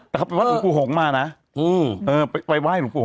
แต่ครับผมว่าหนูปูหงมานะเออไปไหว้หนูปูหงมานะ